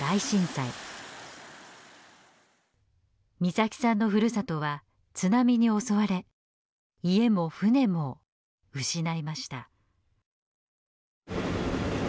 岬さんのふるさとは津波に襲われ家も船も失いました。